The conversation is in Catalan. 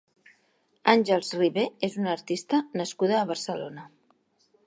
Àngels Ribé és una artista nascuda a Barcelona.